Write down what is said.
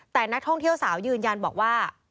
แต่นักท่องเที่ยวสาวยืนยันบอกว่า